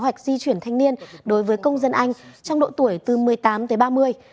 kế hoạch di chuyển thanh niên đối với công dân anh trong độ tuổi từ một mươi tám tới ba mươi